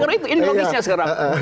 ya karena itu ini logisnya sekarang